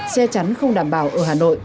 xe chắn không đảm bảo ở hà nội